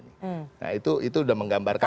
nah itu sudah menggambarkan